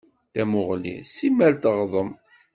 Tamuɣli s imal teɣḍem.